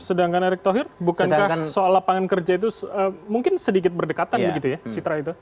sedangkan erick thohir bukankah soal lapangan kerja itu mungkin sedikit berdekatan begitu ya citra itu